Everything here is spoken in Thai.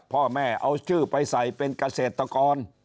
พ่อแม่เอาชื่อไปใส่เป็นเกษตรกร